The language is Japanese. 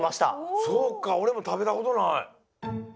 そっかおれも食べたことない。